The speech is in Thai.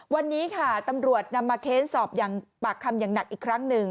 วันนี้ค่ะตำรวจนำมาเค้นสอบอย่างปากคำอย่างหนักอีกครั้งหนึ่ง